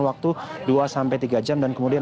waktu dua sampai tiga jam dan kemudian